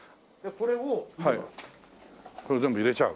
これ全部入れちゃう。